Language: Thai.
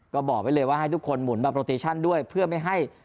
ก็บอกไว้เลยว่าให้ทุกคนหมุนแบบโรติชั่นด้วยเพื่อไม่ให้